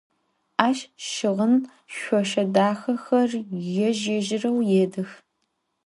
Aş şığın şsoşşe daxexer yêj - yêjıreu yêdıx.